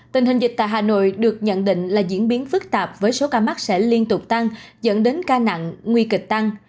tình hình dịch tại hà nội được nhận định là diễn biến phức tạp với số ca mắc sẽ liên tục tăng dẫn đến ca nặng nguy kịch tăng